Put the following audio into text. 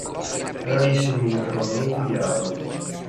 Rarissimi i ritrovamenti di armi.